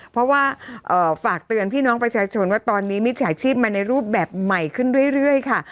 เพราะว่าฝากเตือนพี่น้องประชาชนว่าตอนนี้มิจฉาชีพมาในรูปแบบใหม่ขึ้นเรื่อยค่ะ